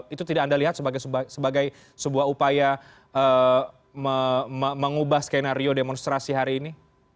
itu tidak anda lihat sebagai sebuah upaya mengubah skenario demonstrasi hari ini